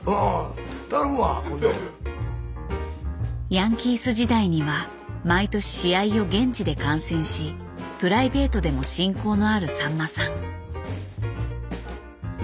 ヤンキース時代には毎年試合を現地で観戦しプライベートでも親交のあるさんまさん。